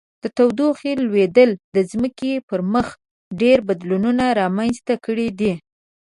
د تودوخې لوړیدل د ځمکې پر مخ ډیر بدلونونه رامنځته کړي دي.